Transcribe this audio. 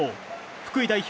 福井代表